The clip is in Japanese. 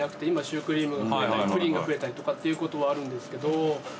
今シュークリームが増えたりプリンが増えたりとかっていうことはあるんですけど。